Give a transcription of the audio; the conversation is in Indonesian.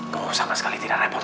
kok sama sekali tidak repot